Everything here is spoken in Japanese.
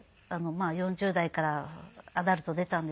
４０代からアダルト出たんですけど。